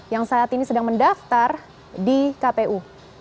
yang saat ini sedang mendaftar di kpu